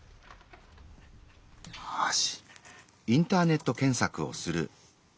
よし。